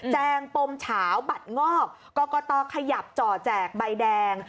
งปมเฉาบัตรงอกกรกตขยับจ่อแจกใบแดง